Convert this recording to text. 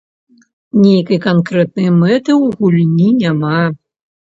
Нейкай канкрэтнай мэты ў гульні няма.